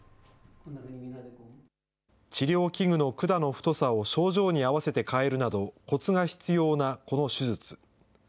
治療器具の管の太さを症状に合わせて変えるなど、こつが必要なこの手術。